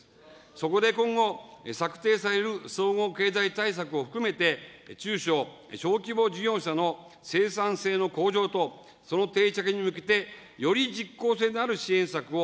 そこで今後、策定される総合経済対策を含めて、中小・小規模事業者の生産性の向上と、その定着に向けて、より実効性のある支援策を、